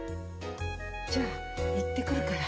じゃあ行ってくるから。